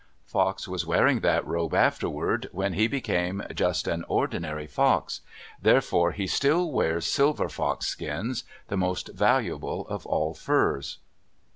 Fox was wearing that robe afterward, when he became just an ordinary fox. Therefore he still wears silver fox skins, the most valuable of all furs.